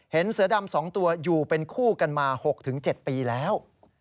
เสือดำ๒ตัวอยู่เป็นคู่กันมา๖๗ปีแล้ว